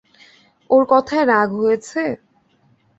ওর কথায় রাগ হয়েছে?